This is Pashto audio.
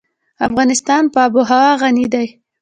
افغانستان په آب وهوا غني دی.